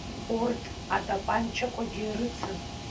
Урҭ атапанчақәагьы рыцын.